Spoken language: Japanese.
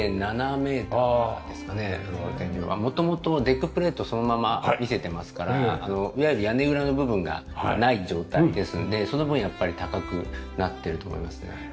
元々デッキプレートをそのまま見せてますからいわゆる屋根裏の部分がない状態ですのでその分やっぱり高くなってると思いますね。